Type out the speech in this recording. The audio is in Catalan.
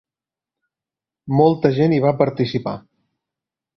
Molta gent hi va participar.